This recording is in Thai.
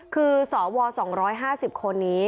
คือสว๒๕๐คนนี้